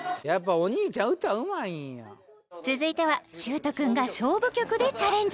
続いてはしゅーと君が勝負曲でチャレンジ